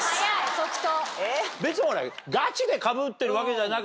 即答。